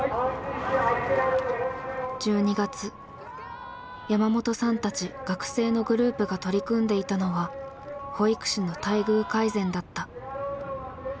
１２月山本さんたち学生のグループが取り組んでいたのは保育士の待遇改善だった。